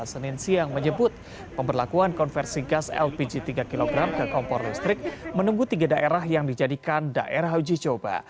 senin siang menyebut pemberlakuan konversi gas lpg tiga kg ke kompor listrik menunggu tiga daerah yang dijadikan daerah uji coba